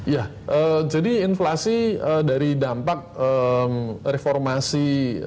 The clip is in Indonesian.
ya jadi inflasi dari dampak reformasi